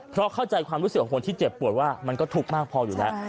เพราะเข้าใจความรู้สึกของคนที่เจ็บปวดว่ามันก็ทุกข์มากพออยู่แล้ว